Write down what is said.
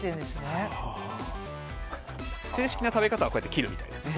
正式な食べ方は切るみたいです。